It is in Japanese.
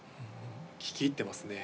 聴き入ってますね